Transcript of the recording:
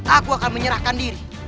aku akan menyerahkan diri